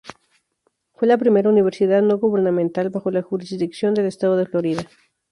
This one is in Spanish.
Fue la primera universidad no gubernamental bajo la jurisdicción del Estado de Florida.